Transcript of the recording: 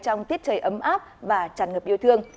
trong tiết trời ấm áp và tràn ngập yêu thương